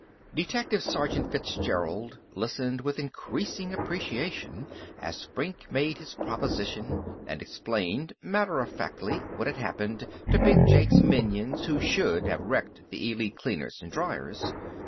Detective Sergeant Fitzgerald listened with increasing appreciation as Brink made his proposition and explained matter of factly what had happened to Big Jake's minions who should have wrecked the Elite Cleaners and Dyers.